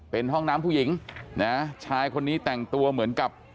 เป็นห้องน้ำผู้หญิงนะชายคนนี้แต่งตัวเหมือนกับ